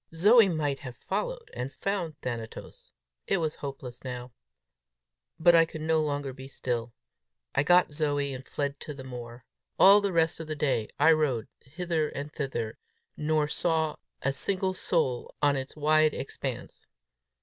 Zoe might have followed and found Thanatos! It was hopeless now! But I could no longer be still. I got Zoe, and fled to the moor. All the rest of the day I rode hither and thither, nor saw a single soul on its wide expanse.